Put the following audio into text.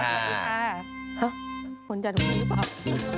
หะคนจันทร์มีบอล